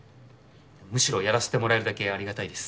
むしろやらせてもらえるだけありがたいです。